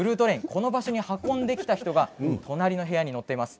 この場所に運んできた人が隣の部屋に乗っています。